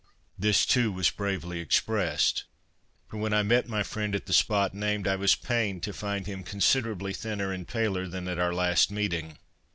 This, too, was bravely expressed ; for when I met my friend at the spot named, I was pained to find him considerably thinner and paler than at our last meeting.